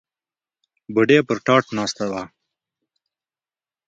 بوډۍ پر تاټ ناسته وه.